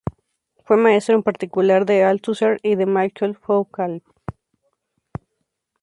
Fue maestro en particular de Althusser y de Michel Foucault.